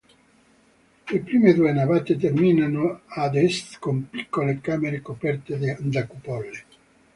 Le prime due navate terminano ad est con piccole camere coperte da cupole.